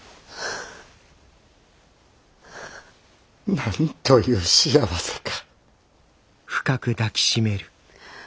なんという幸せか！